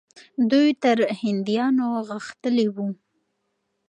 دوی تر هندیانو غښتلي وو.